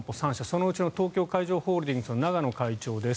そのうちの東京海上ホールディングスの永野会長です。